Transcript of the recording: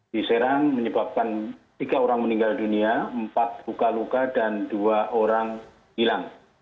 di serang menyebabkan tiga orang meninggal dunia empat luka luka dan dua orang hilang